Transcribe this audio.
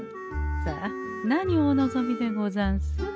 さあ何をお望みでござんす？